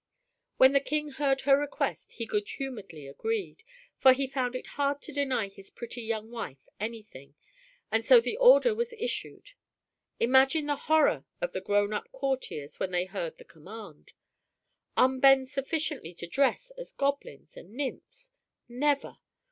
When the King heard her request he good humoredly agreed, for he found it hard to deny his pretty young wife anything, and so the order was issued. Imagine the horror of the grown up courtiers when they heard the command! Unbend sufficiently to dress as goblins and nymphs? Never!